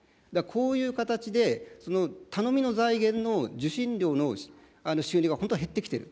こういう形で、その頼みの財源の受信料の収入が本当は減ってきている。